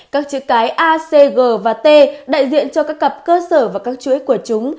các chữ cái a c g và t đại diện cho các cặp cơ sở và các chuỗi của chúng